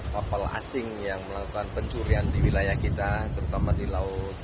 kapal asing yang melakukan pencurian di wilayah kita terutama di laut